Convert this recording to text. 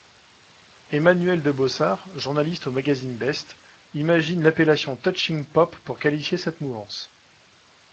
Emmanuelle Debaussart, journaliste au magazine Best, imagine l'appellation Touching Pop pour qualifier cette mouvance.